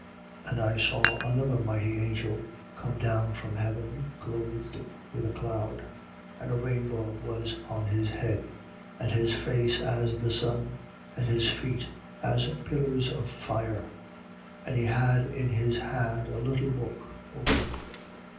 10:1. And I saw another mighty angel come down from heaven, clothed with a cloud. And a rainbow was on his head: and his face, as the sun, and his feet as pillars of fire. 10:2. And he had in his hand a little book, open.